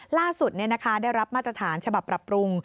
ล่าสุดได้รับมาตรฐานฉบับปรับปรุง